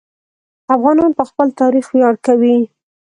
افغانان په خپل تاریخ ویاړ کوي.